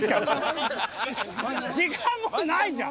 時間もうないじゃん！